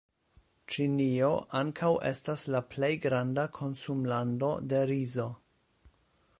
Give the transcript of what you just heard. Ĉinio ankaŭ estas la plej granda konsumlando de rizo.